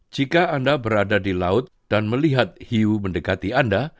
jika anda berada di laut dan melihat hiu mendekati anda